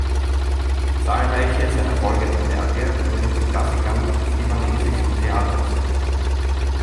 Zahlreiche seiner folgenden Werke wurden zu Klassikern des libanesischen Theaters.